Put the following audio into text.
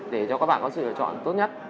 để cho các bạn có sự lựa chọn tốt nhất